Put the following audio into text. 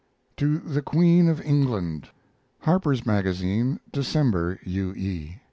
To THE QUEEN OF ENGLAND Harper's Magazine, December. U. E.